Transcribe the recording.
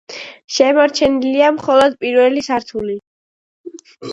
შემორჩენილია მხოლოდ პირველი სართული.